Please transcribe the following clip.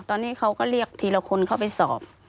ตอนนี้เขาก็เรียกทีละคนเข้าไปสอบ